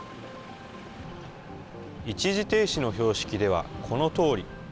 一時停止の標識ではこのとおり。